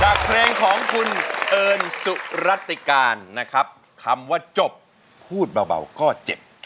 เพลงของคุณเอิญสุรติการนะครับคำว่าจบพูดเบาก็เจ็บ